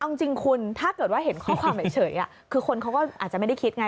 เอาจริงคุณถ้าเกิดว่าเห็นข้อความเฉยคือคนเขาก็อาจจะไม่ได้คิดไง